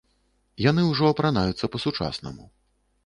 Яны ўжо апранаюцца па-сучаснаму.